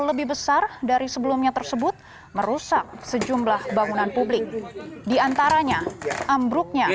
lebih besar dari sebelumnya tersebut merusak sejumlah bangunan publik diantaranya ambruknya